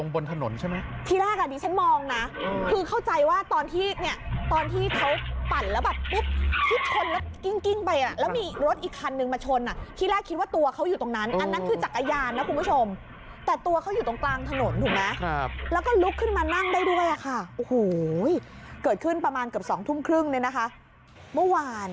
พอช้นกันน่ะคุณผู้ชมว่ารอดไหมดูค่ะ